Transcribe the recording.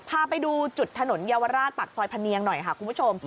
พาไปดูจุดถนนเยาวราชปากซอยพะเนียงหน่อยค่ะคุณผู้ชม